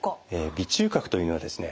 鼻中隔というのはですね